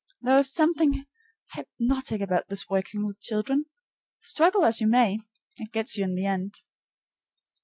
There is something hypnotic about this working with children. Struggle as you may, it gets you in the end.